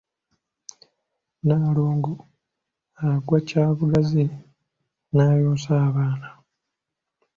Nnaalongo agwa kyabugazi n’ayonsa abaana.